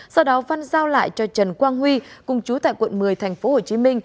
sau đó văn giao lại cho trần quang huy cùng chú tại quận một mươi tp hcm